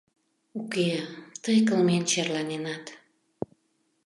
— Уке, тый кылмен черланенат.